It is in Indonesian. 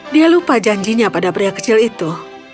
dia lupa janjinya pada pria kecil itu